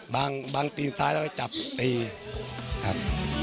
บางตีนซ้ายแล้วก็จับตีครับ